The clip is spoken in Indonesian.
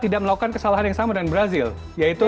tidak melakukan kesalahan yang sama dengan brazil yaitu